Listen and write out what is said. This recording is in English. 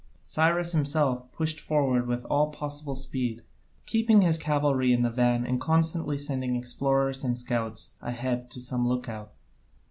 Cyrus himself pushed forward with all possible speed, keeping his cavalry in the van and constantly sending explorers and scouts ahead to some look out.